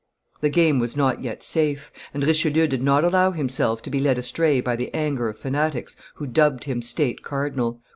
The game was not yet safe; and Richelieu did not allow himself to be led astray by the anger of fanatics who dubbed him State Cardinal.